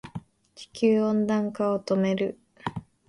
地球温暖化を止める